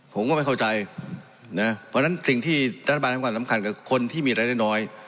ผมก็ไม่เข้าใจนะเพราะฉะนั้นสิ่งที่รัฐบาลให้ความสำคัญกับคนที่มีรายได้น้อย